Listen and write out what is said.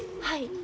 はい。